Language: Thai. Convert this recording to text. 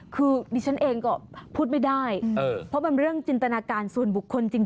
คือดิฉันเองก็พูดไม่ได้เพราะมันเรื่องจินตนาการส่วนบุคคลจริง